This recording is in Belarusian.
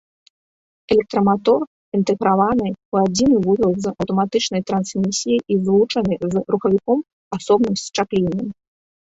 Электраматор інтэграваны ў адзіны вузел з аўтаматычнай трансмісіяй і злучаны з рухавіком асобным счапленнем.